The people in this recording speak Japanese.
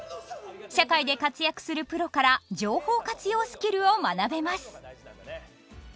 社会で活躍するプロから情報活用スキルを学べます。